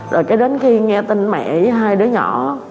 rồi cái đến khi nghe tin mẹ với hai đứa nhỏ